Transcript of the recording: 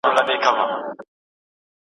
ستا د زهرې پلوشې وتخنوم